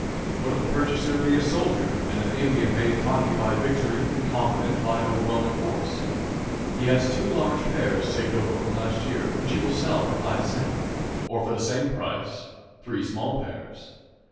What if the purchaser be a soldier and an alien made cocky by victory and confident by overwhelming force? He has two large pears saved over from last year which he will sell for five sen, or for the same price three small pears.